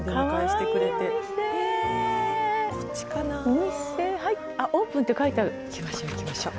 お店オープンって書いてある行きましょう行きましょう。